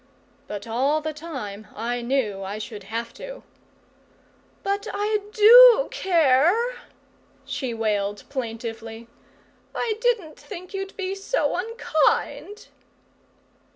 But all the time I knew I should have to. "But I DO care," she wailed plaintively. "I didn't think you'd be so unkind!"